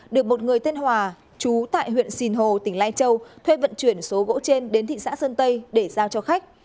được một người tên hòa chú tại huyện sìn hồ tỉnh lai châu thuê vận chuyển số gỗ trên đến thị xã sơn tây để giao cho khách